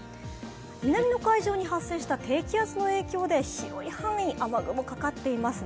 南の海上に発生した低気圧の影響で広い範囲、雨雲かかっていますね。